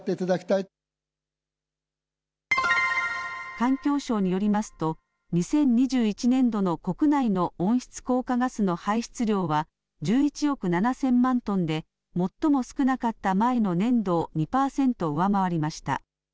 環境省によりますと２０２１年度の国内の温室効果ガスの排出量は１１億７０００万トンで最も少なかった前の年度を２パーセント上回りました。